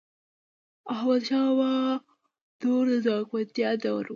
د احمدشاه بابا دور د ځواکمنتیا دور و.